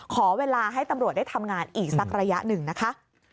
ขอเวลาให้ตำรวจได้ทำงานอีกสักระยะหนึ่งนะคะ